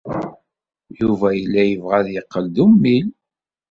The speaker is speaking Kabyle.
Yuba yella yebɣa ad yeqqel d ummil.